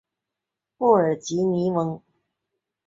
布尔吉尼翁。